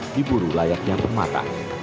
diburu layaknya pemata